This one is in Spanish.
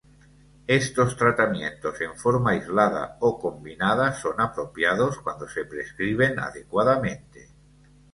Estos tratamientos en forma aislada o combinada son apropiados cuando se prescriben adecuadamente.